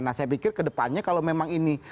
nah saya pikir kedepannya kalau memang ini